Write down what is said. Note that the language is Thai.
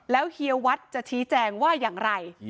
แล้วเฮียวัดจะชี้แจงว่าอย่างไร